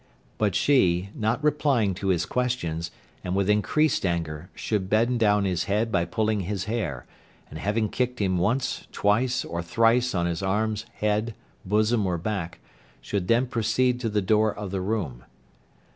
But she, not replying to his questions, and with increased anger, should bend down his head by pulling his hair, and having kicked him once, twice, or thrice on his arms, head, bosom or back, should then proceed to the door of the room.